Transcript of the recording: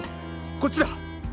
こっちだ！